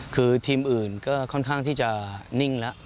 คือทีมอื่นก็ค่อนข้างที่จะนิ่งแล้ว